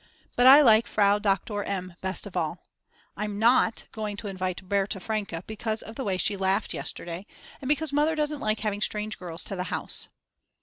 But I like Frau Doktor M. best of all. I'm not going to invite Berta Franke because of the way she laughed yesterday, and besides Mother doesn't like having strange girls to the house.